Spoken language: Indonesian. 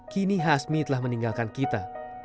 kini hasmi telah meninggalkan kita